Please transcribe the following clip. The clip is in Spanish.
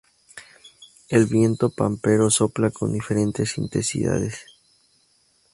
El viento Pampero sopla con diferentes intensidades.